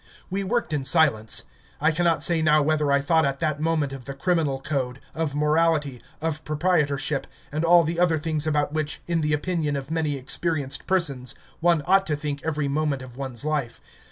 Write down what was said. We worked in silence. I cannot say now whether I thought at that moment of the criminal code, of morality, of proprietorship, and all the other things about which, in the opinion of many experienced persons, one ought to think every moment of one's life.